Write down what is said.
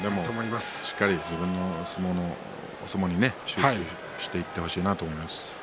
しっかりと自分の相撲に集中してほしいなと思います。